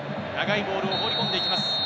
長いボールを放り込んで行きます。